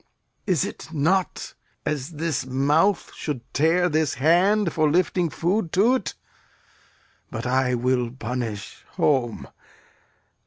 Is it not as this mouth should tear this hand For lifting food to't? But I will punish home!